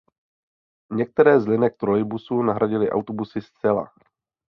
Některé z linek trolejbusů nahradily autobusy zcela.